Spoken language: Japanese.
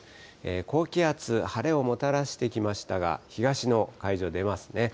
高気圧、晴れをもたらしてきましたが、東の海上出ますね。